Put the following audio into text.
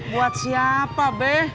buat siapa beh